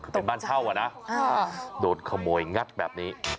คือเป็นบ้านเช่าอ่ะนะโดนขโมยงัดแบบนี้